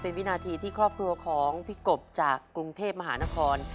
เป็นวินาทีที่ครอบครัวของพี่กบจากกรุงเทพมหานคร